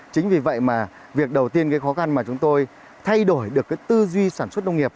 chính vì vậy mà việc đầu tiên cái khó khăn mà chúng tôi thay đổi được cái tư duy sản xuất nông nghiệp